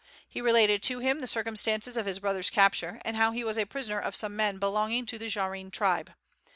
He related to him the circumstances of his brother's capture, and how he was a prisoner of some men belonging to the Jahrin tribe.